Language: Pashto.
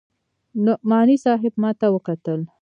نعماني صاحب ما ته وکتل.